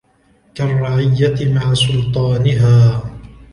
كَالرَّعِيَّةِ مَعَ سُلْطَانِهَا